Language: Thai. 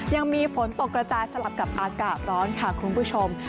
ยังมีฝนตกกระจายสลับกับอากาศร้อนค่ะคุณผู้ชม